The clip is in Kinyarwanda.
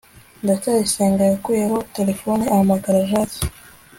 ndacyayisenga yakuyemo terefone ahamagara jaki